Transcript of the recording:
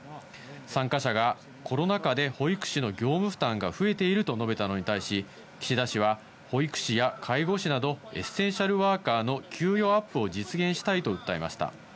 参加者が、コロナ禍で保育士の業務負担が増えていると述べたのに対し、岸田氏は、保育士や介護士など、エッセンシャルワーカーの給与アップを実現したいと訴えました。